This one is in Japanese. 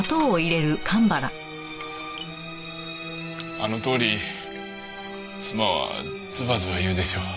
あのとおり妻はズバズバ言うでしょ？